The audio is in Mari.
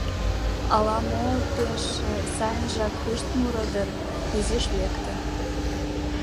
Ала-мо пеш сайынжак ышт муро дыр, изиш лекте.